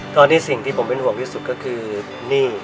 ตอนนี้สิ่งที่ผมเป็นห่วงที่สุดก็คือหนี้